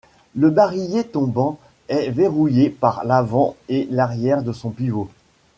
Le barillet tombant est verrouillé par l'avant et l'arrière de son pivot.